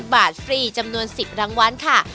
บาทฟรีจำนวน๑๐รางวัลค่ะ